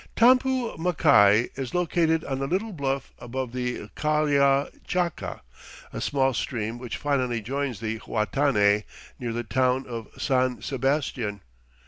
Tampu Machai is located on a little bluff above the Lkalla Chaca, a small stream which finally joins the Huatanay near the town of San Sebastian.